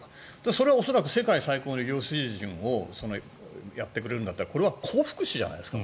それは恐らく世界最高峰の医療水準をやってくれるんだからこれは高福祉じゃないですか。